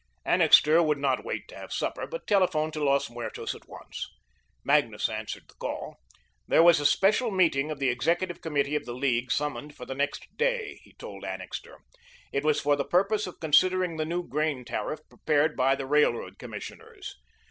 Annixter would not wait to have supper, but telephoned to Los Muertos at once. Magnus answered the call. There was a special meeting of the Executive Committee of the League summoned for the next day, he told Annixter. It was for the purpose of considering the new grain tariff prepared by the Railroad Commissioners.